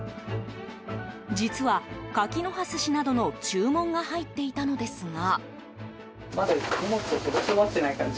実は柿の葉すしなどの注文が入っていたのですが。